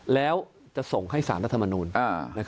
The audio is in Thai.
แล้วจะส่งให้สารรัฐมนูล